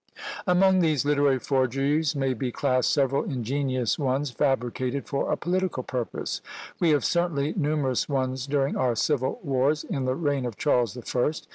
Among these literary forgeries may be classed several ingenious ones fabricated for a political purpose. We had certainly numerous ones during our civil wars in the reign of Charles the First.